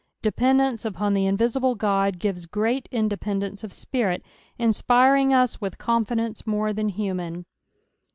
Dependence upon the invisible God gives K^eat independence of spirit, inspiring US with confidence more than human.